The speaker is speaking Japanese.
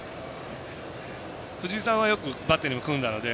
藤井さんはよくバッテリーも組んだので。